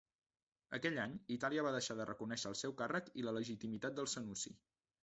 Aquell any, Itàlia va deixar de reconèixer el seu càrrec i la legitimitat dels Senussi.